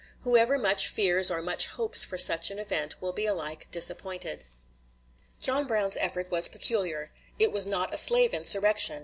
Whoever much fears or much hopes for such an event will be alike disappointed.... John Brown's effort was peculiar. It was not a slave insurrection.